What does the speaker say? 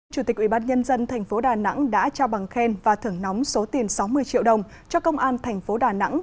chủ tịch ubnd tp đà nẵng đã trao bằng khen và thưởng nóng số tiền sáu mươi triệu đồng cho công an thành phố đà nẵng